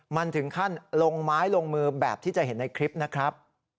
มันถึงขั้นลงไม้ลงมือแบบที่จะเห็นในคลิปนะครับ